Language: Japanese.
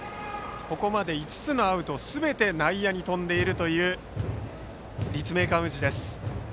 ここまで５つのアウトすべて内野に飛んでいる立命館宇治です。